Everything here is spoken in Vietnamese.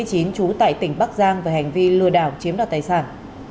trú tại tỉnh bắc giang về hành vi lừa đảo chiếm đoạt tài sản